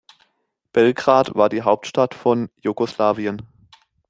Belgrad war die Hauptstadt von Jugoslawien.